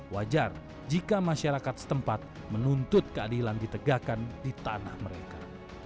wajar jika masyarakat setempat menuntut keadilan ditegakkan di tanah mereka